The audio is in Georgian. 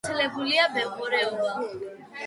ქიზიყში გავრცელებულია მეღორეობა